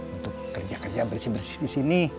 untuk kerja kerja bersih bersih disini